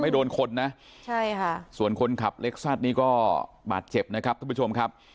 โดนคนนะใช่ค่ะส่วนคนขับเล็กซัดนี่ก็บาดเจ็บนะครับท่านผู้ชมครับ